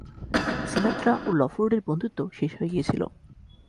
Sinatra ও লফোর্ডের বন্ধুত্ব শেষ হয়ে গিয়েছিল।